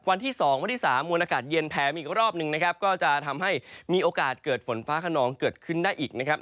วันที่๒วันที่๓มวลอากาศเย็นแผลมาอีกรอบหนึ่งนะครับก็จะทำให้มีโอกาสเกิดฝนฟ้าขนองเกิดขึ้นได้อีกนะครับ